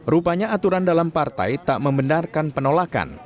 rupanya aturan dalam partai tak membenarkan penolakan